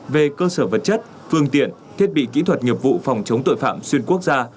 về cơ sở vật chất phương tiện thiết bị kỹ thuật nghiệp vụ phòng chống tội phạm xuyên quốc gia